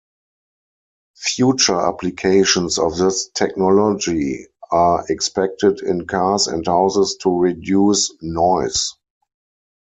Future applications of this technology are expected in cars and houses to reduce noise.